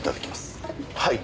はい。